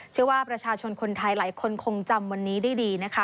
เชื่อว่าประชาชนคนไทยหลายคนคงจำวันนี้ได้ดีนะคะ